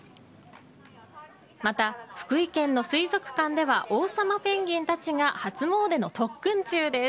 また、福井県の水族館ではオウサマペンギンたちが初もうでの特訓中です。